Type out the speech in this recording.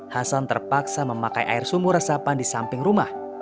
hasan terpaksa memakai air sumur resapan di samping rumah